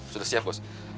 sudah siap bos